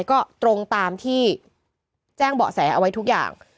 ก็ตรงตามที่แจ้งเบาะแสเอาไว้ทุกอย่าง